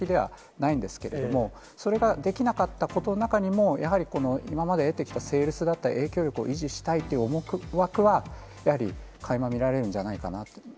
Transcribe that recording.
ないんですけれども、それができなかったことの中にも、やはり今までやってきただったり維持したいという思惑は、やはりかいま見られるんじゃないかな。